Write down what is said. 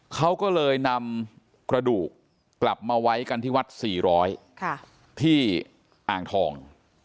เขาก็เลยนำกระดูกกลับมาไว้กันที่วัด๔๐๐ที่อ่างทอง